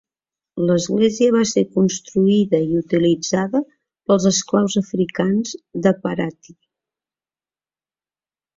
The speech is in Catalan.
L'església va ser construïda i utilitzada pels esclaus africans de Paraty.